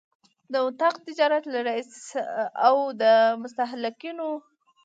د اطاق تجارت له رئیس او د مستهلکینو